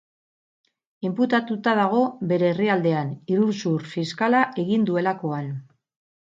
Inputatuta dago bere herrialdean, iruzur fiskala egin duelakoan.